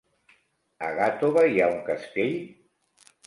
A Gàtova hi ha un castell?